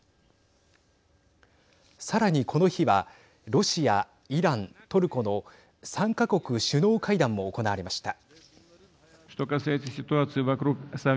さらに、この日はロシア、イラン、トルコの３か国首脳会談も行われました。